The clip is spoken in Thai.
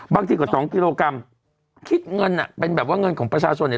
บางทีกว่า๒กิโลกรัมคิดเงินเป็นแบบว่าเงินของประชาชน